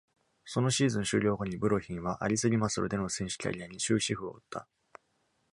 そのシーズン終了後に、ブロヒンはアリス・リマソルでの選手キャリアに終止符を打った。